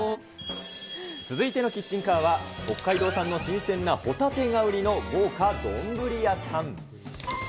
続いてのキッチンカーは、北海道産の新鮮なほたてが売りの豪華丼屋さん。